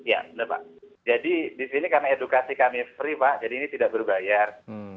ya pak jadi di sini karena edukasi kami free pak jadi ini tidak berbayar